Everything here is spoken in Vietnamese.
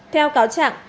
theo cáo chẳng